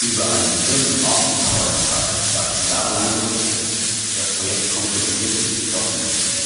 Über einen vierten Austin-Powers-Teil gab es jahrelang Gerüchte, das Projekt konkretisierte sich jedoch nicht.